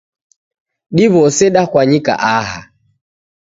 Diwose dakwanyika aha